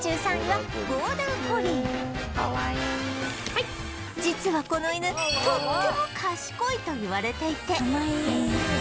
そして実はこの犬とっても賢いといわれていて